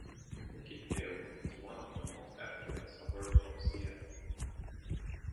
Mukilteo is one of the most affluent suburbs of Seattle.